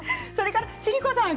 千里子さん